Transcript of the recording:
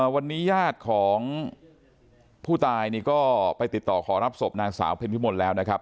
วันนี้ญาติของผู้ตายนี่ก็ไปติดต่อขอรับศพนางสาวเพ็ญพิมลแล้วนะครับ